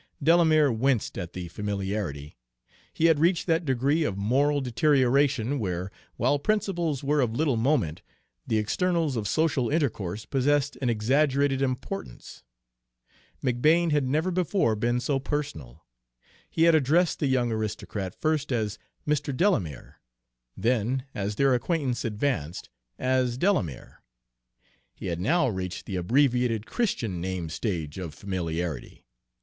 Delamere winced at the familiarity. He had reached that degree of moral deterioration where, while principles were of little moment, the externals of social intercourse possessed an exaggerated importance. McBane had never before been so personal. He had addressed the young aristocrat first as "Mr. Delamere," then, as their acquaintance advanced, as "Delamere." He had now reached the abbreviated Christian name stage of familiarity.